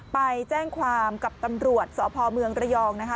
ไปแจ้งความกับตำรวจสพเมืองระยองนะคะ